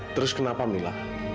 terus kenapa mila